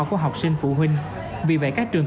của học sinh phụ huynh vì vậy các trường